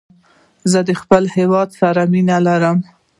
زه د خپل هېواد سره مینه لرم.